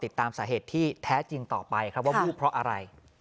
พี่ปลาทูพี่ปลาทูพี่ปลาทูพี่ปลา